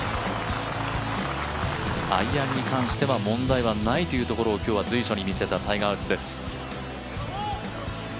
アイアンに関しては問題ないということを今日は随所に見せたタイガー・ウッズです。